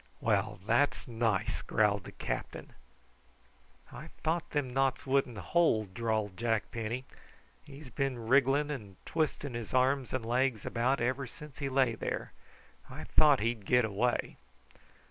"Well, that's nice," growled the captain. "I thought them knots wouldn't hold," drawled Jack Penny. "He's been wriggling and twisting his arms and legs about ever since he lay there. I thought he'd get away."